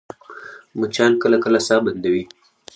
مچان کله کله ساه بندوي